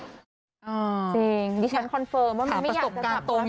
จริงดิฉันคอนเฟิร์มว่ามันไม่อยากจะจับโทรศัพท์